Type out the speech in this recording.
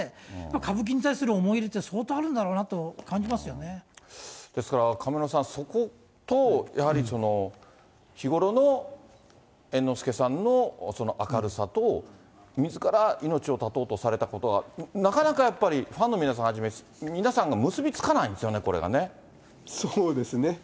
歌舞伎に対する思い入れって相当ですから、上村さん、そことやはり日頃の猿之助さんの明るさと、みずから命を絶とうとされたことが、なかなかやっぱり、ファンの皆さんはじめ、皆さんが結び付かないんですよね、そうですね。